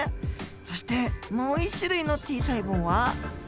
そしてもう一種類のＴ細胞は？